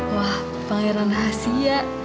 wah pengiran rahasia